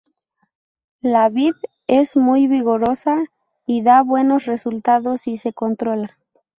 La vid es muy vigorosa y da buenos resultados si se controla.